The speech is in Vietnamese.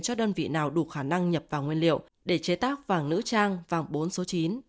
cho đơn vị nào đủ khả năng nhập vào nguyên liệu để chế tác vàng nữ trang vàng bốn số chín